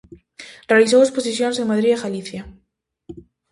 Realizou exposicións en Madrid e Galicia.